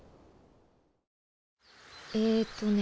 えっとね